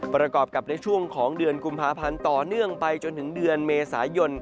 ประกอบกับในช่วงของเดือนกุมภาพันธ์ต่อเนื่องไปจนถึงเดือนเมษายน